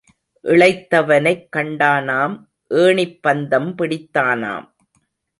இளைத்தவனைக் கண்டானாம், ஏணிப் பந்தம் பிடித்தானாம்.